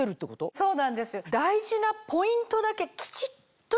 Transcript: そうなんです。